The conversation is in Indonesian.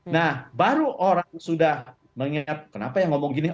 nah baru orang sudah mengingat kenapa yang ngomong gini